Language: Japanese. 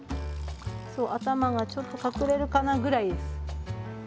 そう頭がちょっと隠れるかなぐらいです。